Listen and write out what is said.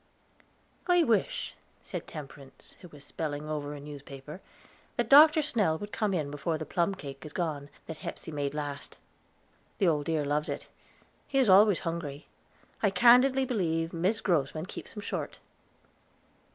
"I wish," said Temperance, who was spelling over a newspaper, "that Dr. Snell would come in before the plum cake is gone, that Hepsey made last. The old dear loves it; he is always hungry. I candidly believe Mis Grossman keeps him short."